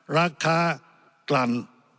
ราคากลั่น